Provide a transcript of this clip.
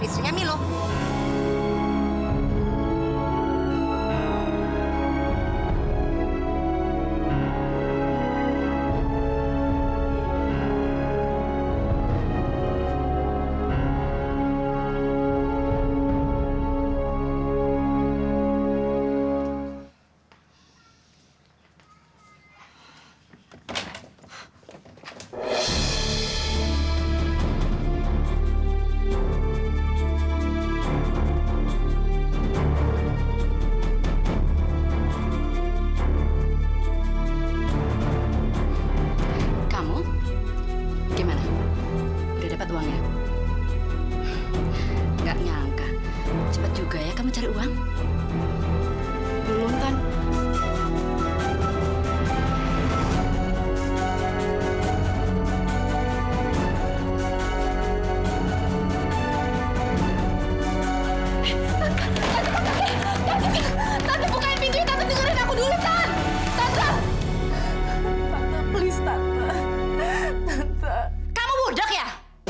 sampai jumpa di video selanjutnya